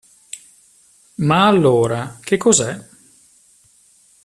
Ma allora, che cos'è?